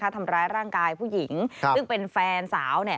ทำร้ายร่างกายผู้หญิงซึ่งเป็นแฟนสาว